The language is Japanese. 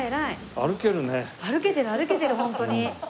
歩けてる歩けてるホントに。